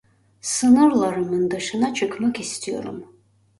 Sınırlarımın dışına çıkmak istiyorum.